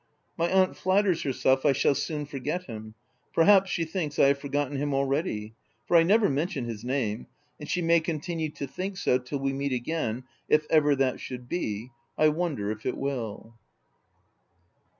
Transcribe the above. My aunt flatters herself I shall soon forget him — perhaps, she thinks I have forgotten him, already, for I never mention his name ; and she may continue to think so, till we meet again, — if ever that should be. I wonder if it will.